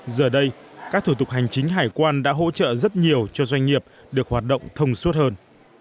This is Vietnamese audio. giờ đây các thủ tục hành chính hải quan đã hỗ trợ rất nhiều cho doanh nghiệp được hoạt động thông suốt hơn